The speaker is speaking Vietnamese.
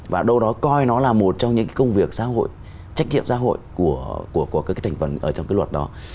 và đâu đó coi nó là một trong những công việc xã hội trách nhiệm xã hội của các cái thành phần ở trong cái luật đó